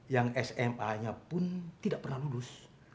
yang sma nya pun tidak pernah lulus